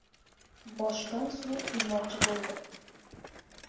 Boshidan suv quymoqchi bo‘ldi.